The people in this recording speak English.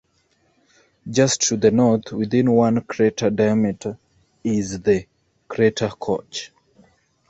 Just to the north, within one crater diameter, is the crater Koch.